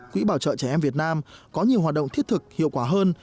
quỹ bảo trợ trẻ em việt nam có nhiều hoạt động thiết thực hiệu quả hơn